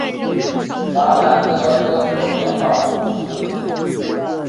拉兰德人口变化图示